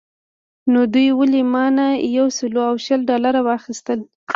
نو دوی ولې مانه یو سل او شل ډالره واخیستل.